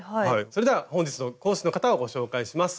それでは本日の講師の方をご紹介します。